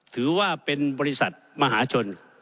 ถือว่าเป็นบริษัทมหาชน